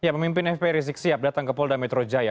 pemimpin fpi rizik sihab datang ke polda metro jaya